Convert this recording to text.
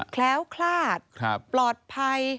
แคล้วคลาดปลอดภัย